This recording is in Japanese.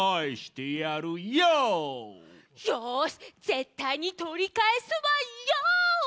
よしぜったいにとりかえすわヨー！